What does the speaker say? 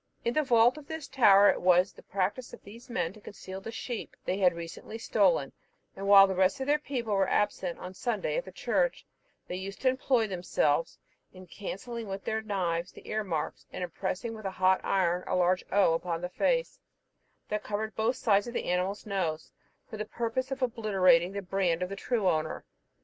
In the vault of this tower it was the practice of these men to conceal the sheep they had recently stolen; and while the rest of their people were absent on Sunday at the church, they used to employ themselves in cancelling with their knives the ear marks, and impressing with a hot iron a large O upon the face, that covered both sides of the animal's nose, for the purpose of obliterating the brand of the true owner.